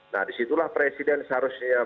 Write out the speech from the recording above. nah disitulah presiden seharusnya